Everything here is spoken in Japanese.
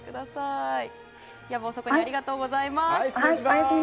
夜分遅くにありがとうございます。